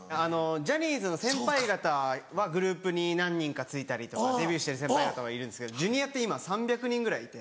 ジャニーズの先輩方はグループに何人か付いたりとかデビューしてる先輩方はいるんですけどＪｒ．今３００人ぐらいいて。